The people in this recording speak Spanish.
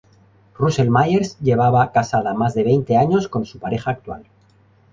Russell-Myers lleva casada más de veinte años con su pareja actual.